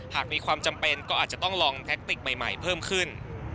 หากมีความจำเป็นก็อาจจะต้องลองแท็กติกใหม่เพิ่มขึ้น